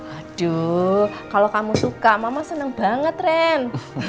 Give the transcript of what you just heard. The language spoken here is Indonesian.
aduh kalau kamu suka mama senang banget ren